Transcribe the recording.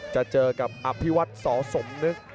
จะเจอกับอภิวัตสสมนึก